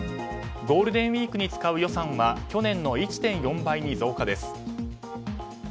ゴールデンウィークに使う予算は去年の１．４倍に増加です。